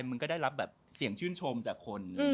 มันก็ได้รับแบบเสียงชื่นชมจากคน